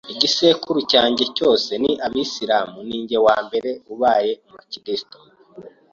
Igisekuru cyanjye cyose ni Abasilamu ninjye wa mbere ubaye umukristo